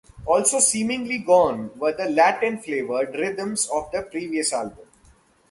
Also seemingly gone were the Latin-flavored rhythms of the previous album.